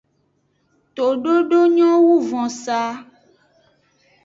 Tododo nyo wu vosaa.